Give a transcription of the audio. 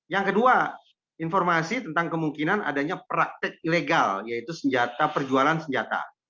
yang kedua informasi tentang kemungkinan adanya praktek ilegal yaitu senjata perjualan senjata